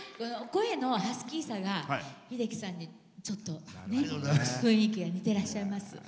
声のハスキーさが秀樹さんに、ちょっと雰囲気が似てらっしゃいます。